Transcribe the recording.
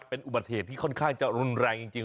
เป็นอุบัติเหตุที่ค่อนข้างจะรุนแรงจริง